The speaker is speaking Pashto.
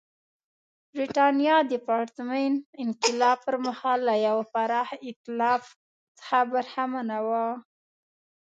برېټانیا د پرتمین انقلاب پر مهال له یوه پراخ اېتلاف څخه برخمنه وه.